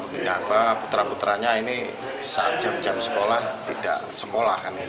mengapa putra putranya ini saat jam jam sekolah tidak sekolah